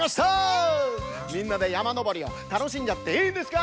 みんなでやまのぼりをたのしんじゃっていいんですか？